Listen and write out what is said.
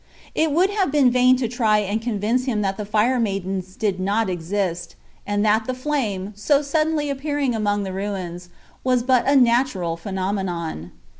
It would have been vain to try and convince him that the Fire Maidens did not exist, and that the flame, so suddenly appearing among the ruins, was but a natural phenomenon.